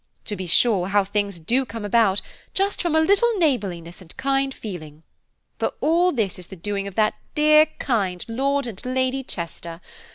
To be sure how things do come about, just from a little neighbourliness and kind feeling. For this is all the doing of that dear kind Lord and Lady Chester.